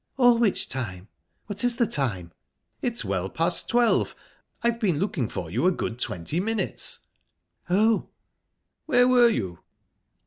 "All which time? What is the time?" "It's well past twelve. I've been looking for you a good twenty minutes." "Oh!..." "Where were you?"